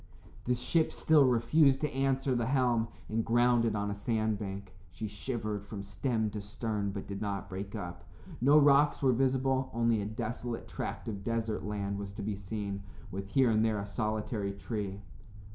The ship still refused to answer the helm and grounded on a sandbank. She shivered from stem to stern but did not break up. No rocks were visible, only a desolate tract of desert land was to be seen, with here and there a solitary tree.